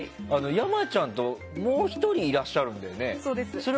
山ちゃんと、もう１人いらっしゃるんだよね？